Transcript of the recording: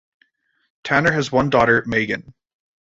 Tanner has one daughter, Megan.